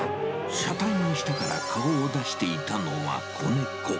車体の下から顔を出していたのは子猫。